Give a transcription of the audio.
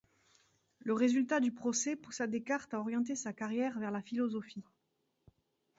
Le résultat du procès poussa Descartes à orienter sa carrière vers la philosophie.